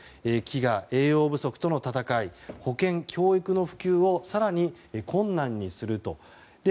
飢餓・栄養不足との闘い保健・教育の普及を更に困難にすると。